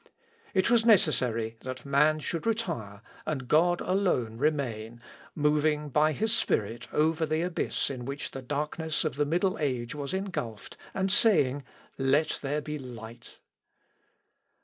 It was necessary that man should retire and God alone remain, moving, by his Spirit, over the abyss in which the darkness of the middle age was engulphed, and saying, "Let there be light."